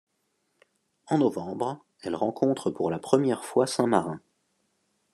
En novembre, elle rencontre pour la première fois Saint-Marin.